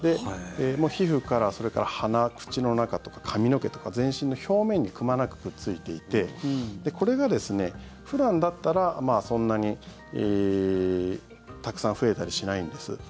皮膚から、それから鼻、口の中とか髪の毛とか全身の表面にくまなくくっついていてこれが普段だったらそんなにたくさん増えたりしないんです。